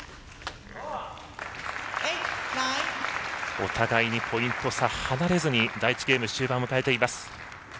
お互いにポイント差離れずに第１ゲーム終盤を迎えています。